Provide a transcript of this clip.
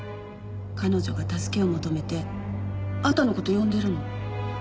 彼女が助けを求めてあなたの事呼んでるの。